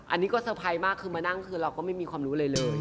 อันนี้ก็เตอร์ไพรส์มากคือมานั่งคือเราก็ไม่มีความรู้อะไรเลย